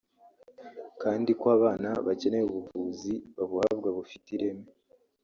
kandi ko abana bakeneye ubuvuzi babuhabwa bufite ireme